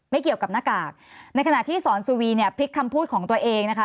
ไม่เกี่ยวกับหน้ากากในขณะที่สอนสุวีเนี่ยพลิกคำพูดของตัวเองนะคะ